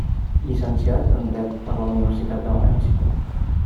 Llicenciat en dret per la Universitat de València.